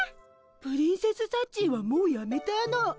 プリンセスサッチーはもうやめたの。